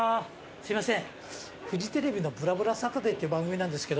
すいません。